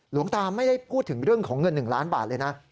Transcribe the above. หลวงตาไม่ได้พูดถึงเรื่องของเงิน๑ล้านบาทเลยนะ